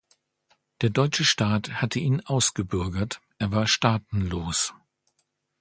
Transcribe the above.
Der deutsche Staat hatte ihn ausgebürgert, er war staatenlos.